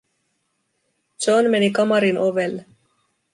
John meni kamarin ovelle.